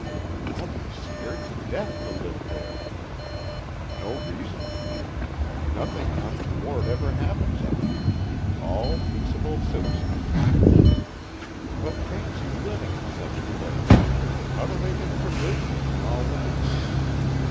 "I'd be scared to death to live there!" "No reason to be. Nothing untoward ever happens up here. All peaceable citizens." "But fancy living in such a place. How do they get provisions and all that?"